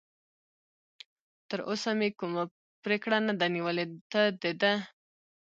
تراوسه مې کوم پرېکړه نه ده نیولې، ته د ده.